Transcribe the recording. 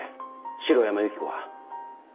城山由希子は。